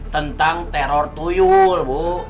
tentang teror tuyul bu